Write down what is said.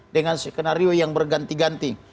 dengan skenario yang berganti ganti